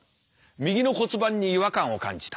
右の骨盤に違和感を感じた。